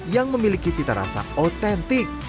yang memiliki cita rasa otentik